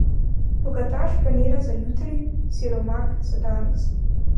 Bogataš planira za jutri, siromak za danes.